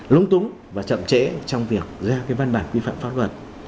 lúng túng và chậm trễ trong việc ra cái văn bản quy phạm pháp luật